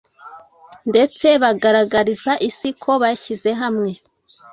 ndetsebagaragariza isi ko bashyize hamwe